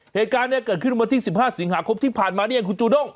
เหตุการณ์นี้เกิดขึ้นวันที่๑๕สิงหาคมที่ผ่านมานี่เองคุณจูด้ง